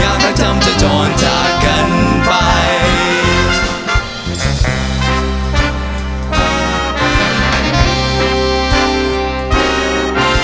ยามรักจำจะจอดอยู่ใกล้ทิ้งมาก่อน